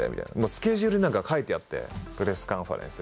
スケジュールに何か書いてあって「プレスカンファレンス」。